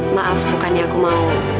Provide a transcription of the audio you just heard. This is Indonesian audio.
maaf bukannya aku mau